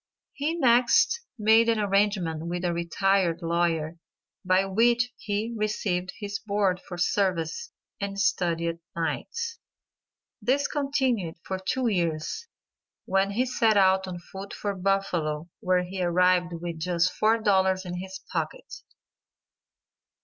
He next made an arrangement with a retired lawyer, by which he received his board for services, and studied nights. This continued for two years, when he set out on foot for Buffalo where he arrived with just $4 in his pocket.